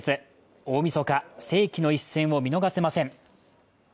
大みそか、世紀の一戦を見逃せません。